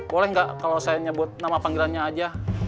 boleh nggak kalau saya nyebut nama panggilannya aja